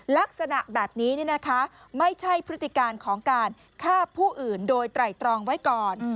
ลักษณะแบบนี้ไม่ใช่พฤติการของการฆ่าผู้อื่นโดยไตรตรองไว้ก่อน